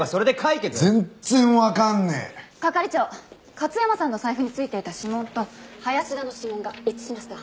勝山さんの財布に付いていた指紋と林田の指紋が一致しました。